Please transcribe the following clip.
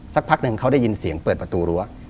สักพักหนึ่งเขาได้ยินเสียงเปิดประตูรั้ว